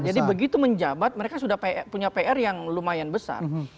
jadi begitu menjabat mereka sudah punya pr yang lumayan besar